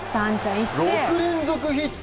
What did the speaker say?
６連続ヒット。